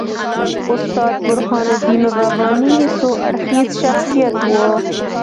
استاد برهان الدین رباني څو اړخیز شخصیت وو.